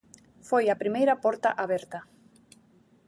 Foi a primeira porta aberta.